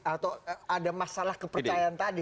atau ada masalah kepercayaan tadi